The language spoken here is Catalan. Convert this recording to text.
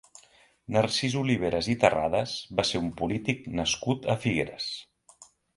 Narcís Oliveres i Terrades va ser un polític nascut a Figueres.